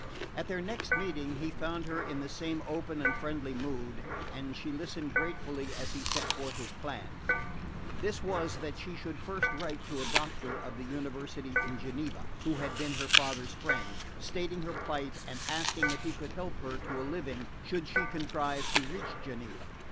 At their next meeting he found her in the same open and friendly mood, and she listened gratefully as he set forth his plan. This was that she should first write to a doctor of the University in Geneva, who had been her father's friend, stating her plight and asking if he could help her to a living should she contrive to reach Geneva.